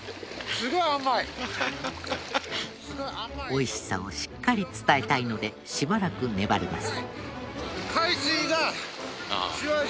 美味しさをしっかり伝えたいのでしばらく粘ります。